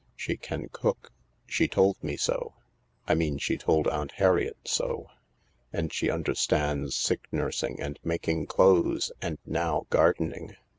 She can cook— she told me so. I mean she told Aunt Harriet so. And she understands sick nursing, and making clothes, and now gardening.